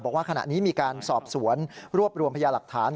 บอกว่าขณะนี้มีการสอบสวนรวบรวมพยาหลักฐาน